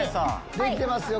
できてますよ。